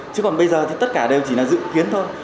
chứ còn bây giờ thì tất cả đều chỉ là dự kiến thôi